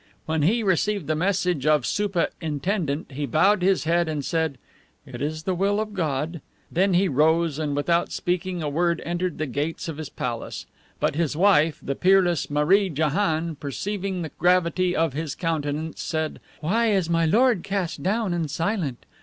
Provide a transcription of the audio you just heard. When he received the message of SOOPAH INTENDENT he bowed his head, and said, "It is the will of God." Then he rose; and without speaking a word entered the gates of his palace. But his wife, the peerless MAREE JAHANN, perceiving the gravity of his countenance, said, "Why is my lord cast down and silent?